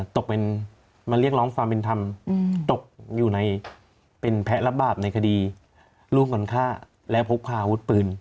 ตกเป็นมาเรียกร้องความเป็นธรรมตกอยู่ในเป็นแพ้รับบาปในคดีลูกคนฆ่าและพกพาอาวุธปืน